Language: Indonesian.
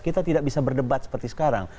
kita tidak bisa berdebat seperti sekarang